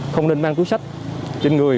không nên mang cứu sách trên người